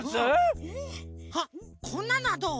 あこんなのはどう？